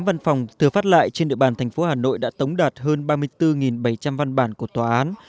văn phòng thừa phát lại trên địa bàn thành phố hà nội đã tống đạt hơn ba mươi bốn bảy trăm linh văn bản của tòa án